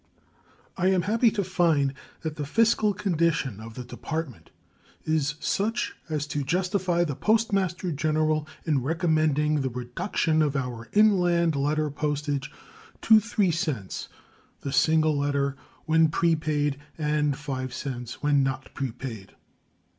I am happy to find that the fiscal condition of the Department is such as to justify the Postmaster General in recommending the reduction of our inland letter postage to 3 cents the single letter when prepaid and 5 cents when not prepaid.